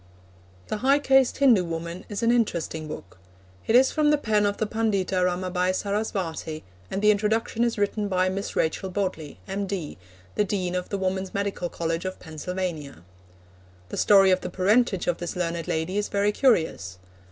The High Caste Hindu Woman is an interesting book. It is from the pen of the Pundita Ramabai Sarasvati, and the introduction is written by Miss Rachel Bodley, M.D., the Dean of the Woman's Medical College of Pennsylvania. The story of the parentage of this learned lady is very curious.